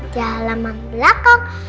di alaman belakang